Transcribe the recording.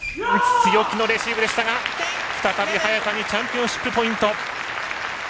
強気のレシーブでしたが再び早田にチャンピオンシップポイント。